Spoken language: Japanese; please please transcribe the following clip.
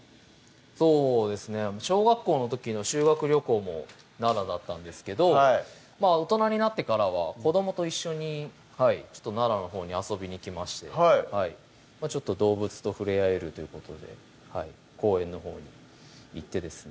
そうですね小学校の時の修学旅行も奈良だったんですけどまぁ大人になってからは子どもと一緒に奈良のほうに遊びに行きましてはいちょっと動物と触れ合えるということで公園のほうに行ってですね